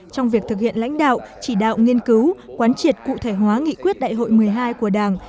trong việc thực hiện lãnh đạo chỉ đạo nghiên cứu quán triệt cụ thể hóa nghị quyết đại hội một mươi hai của đảng